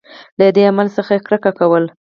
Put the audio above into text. له دې عمل څخه یې کرکه کوله.